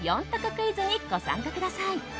クイズにご参加ください。